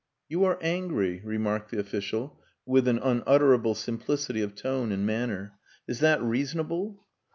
"You are angry," remarked the official, with an unutterable simplicity of tone and manner. "Is that reasonable?"